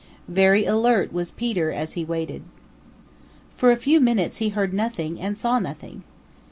Very alert was Peter as he waited. For a few minutes he heard nothing and saw nothing.